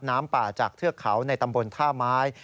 น้ำป่าจากเทือกเขาในตำบลท่าไม้